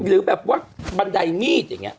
หรือแบบว่าบันไดมีดอย่างนี้